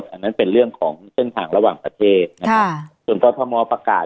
เพราะฉะนั้นเป็นเรื่องของเส้นทางระหว่างประเทศจนก็ถ้ามอบประกาศ